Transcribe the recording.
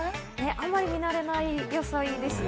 あんまり見慣れない野菜ですよね。